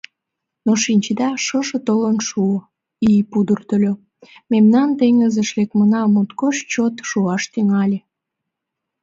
Но, шинчеда, шошо толын шуо, ий пудыртыльо, мемнан теҥызыш лекмына моткоч чот шуаш тӱҥале.